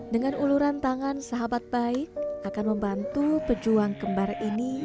dengan uluran tangan sahabat baik akan membantu pejuang kembar ini